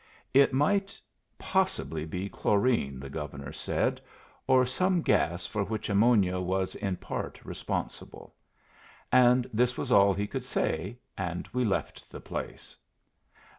It might possibly be chlorine, the Governor said, or some gas for which ammonia was in part responsible; and this was all he could say, and we left the place.